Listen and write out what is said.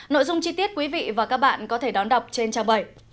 nội dung chi tiết quý vị và các bạn có thể đón đọc trên trang bảy